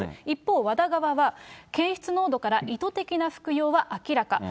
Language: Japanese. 一方、ＷＡＤＡ側は、検出濃度から、意図的な服用は明らか。